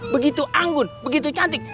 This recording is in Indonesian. begitu anggun begitu cantik